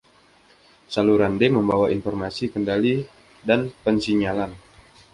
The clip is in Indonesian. Saluran-D membawa informasi kendali dan pensinyalan.